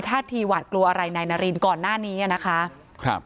ท่าทีหวาดกลัวอะไรนายนารินก่อนหน้านี้อ่ะนะคะครับ